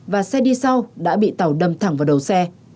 và xe đi sau đã bị tàu đâm thẳng vào đầu xe